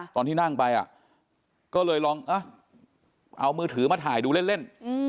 ตอนที่นั่งไปก็เลยลองเอามือถือมาถ่ายดูเล่น